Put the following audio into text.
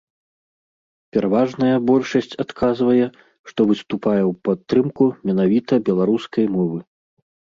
Пераважная большасць адказвае, што выступае ў падтрымку менавіта беларускай мовы.